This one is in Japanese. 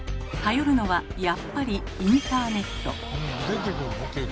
頼るのはやっぱりインターネット。